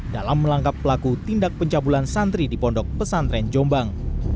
dalam melangkap pelaku tindak pencabulan santri di pondok pesantren jombang